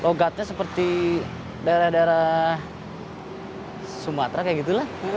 logatnya seperti daerah daerah sumatera kayak gitu lah